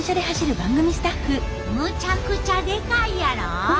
むちゃくちゃでかいやろ。